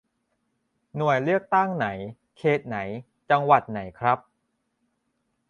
หน่วยเลือกตั้งไหน เขตไหน จังหวัดไหนครับ